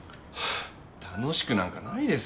楽しくなんかないですよ